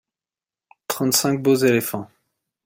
trente cinq beaux éléphants.